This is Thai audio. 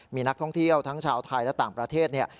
มีนักท่องเที่ยวทั้งชาวไทยและต่างประเทศเนี่ย